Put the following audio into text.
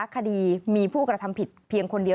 คดีมีผู้กระทำผิดเพียงคนเดียว